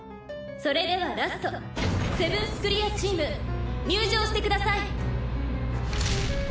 「それではラスト７ｔｈクリアチーム入場してください」